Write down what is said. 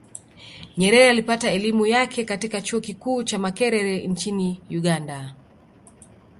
Nyerere alipata elimu yake katika chuo kikuu cha Makerere nchini Uganda